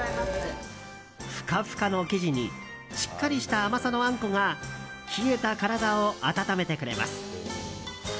ふかふかの生地にしっかりした甘さのあんこが冷えた体を温めてくれます。